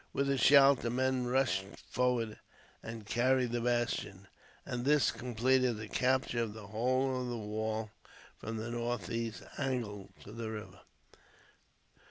With a shout, the men rushed forward and carried the bastion, and this completed the capture of the whole of the wall, from the northeast angle to the river.